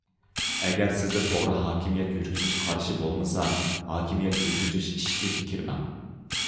ئەگەر سىزدە توغرا ھاكىمىيەت يۈرگۈزۈش قارىشى بولمىسا، ھاكىمىيەت يۈرگۈزۈش ئىشىكىگە كىرمەڭ.